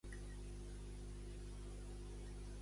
La seva seu es troba a Troyes.